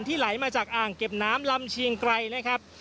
ไหลมาจากอ่างเก็บน้ำลำเชียงไกรนะครับ